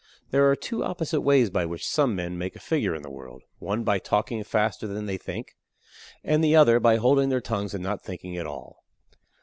There are two opposite ways by which some men make a figure in the world; one, by talking faster than they think, and the other, by holding their tongues and not thinking at all.